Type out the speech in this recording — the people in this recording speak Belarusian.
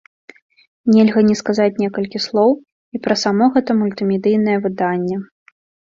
Нельга не сказаць некалькі слоў і пра само гэтае мультымедыйнае выданне.